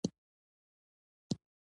آیا سوداګر په ډاډه زړه کار کوي؟